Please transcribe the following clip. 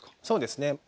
そうですね。